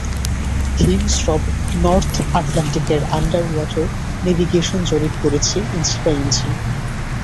হিমস্রব north আটলান্টিকের under water navigation জরিপ করেছি ইঞ্চি বাই ইঞ্চি।